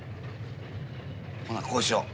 ほなこうしよう。